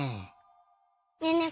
ねえねえ